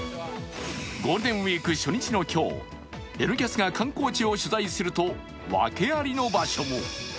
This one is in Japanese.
ゴールデンウイーク初日の今日「Ｎキャス」が観光地を取材すると、訳ありの場所も。